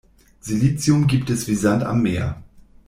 Silizium gibt es wie Sand am Meer.